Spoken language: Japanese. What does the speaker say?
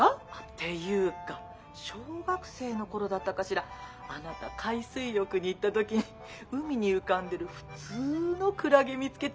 ていうか小学生の頃だったかしらあなた海水浴に行った時に海に浮かんでる普通のクラゲ見つけて。